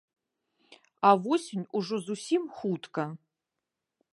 А восень ужо зусім хутка.